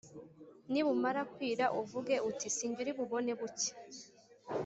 nibumara kwira uvuge uti ‘si jye uri bubone bucya!,’